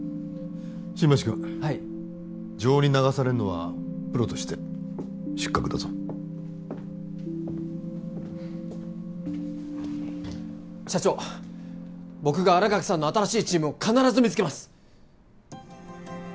新町君はい情に流されるのはプロとして失格だぞ社長僕が新垣さんの新しいチームを必ず見つけます